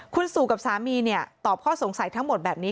คุณสู่กับสามีตอบข้อสงสัยทั้งหมดแบบนี้